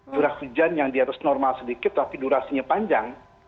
curah hujan yang di atas normal sedikit tapi durasinya panjang